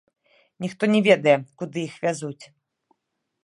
Ніхто не ведае, куды іх вязуць.